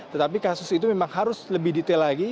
tetapi kasus itu memang harus lebih detail lagi